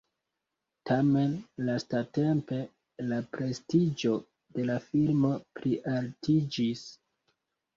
Tamen lastatempe la prestiĝo de la filmo plialtiĝis.